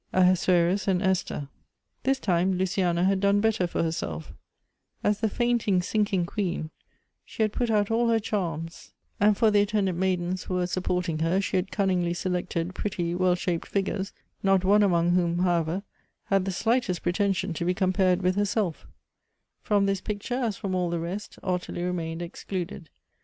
Ahasuerus and Esther. This time Luciana had done better for herself As the fainting, sinking queen she had put out all her charms, and for the attendant maidens who were supporting her, she had cunningly selected pvetty well shaped figures, not one among whom, however, had the slightest preten sion to be compared with herself From this picture, as from all the rest, Ottilie remained excluded.